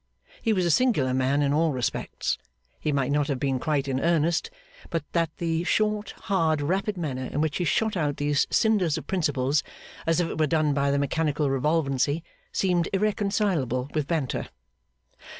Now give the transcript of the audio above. He was a singular man in all respects; he might not have been quite in earnest, but that the short, hard, rapid manner in which he shot out these cinders of principles, as if it were done by mechanical revolvency, seemed irreconcilable with banter.